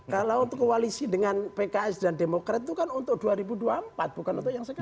kalau untuk koalisi dengan pks dan demokrat itu kan untuk dua ribu dua puluh empat bukan untuk yang sekarang